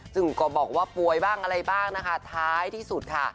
ซึ่งก็บอกว่าป่วยบ้างอะไรบ้างนะคะท้ายที่สุดค่ะ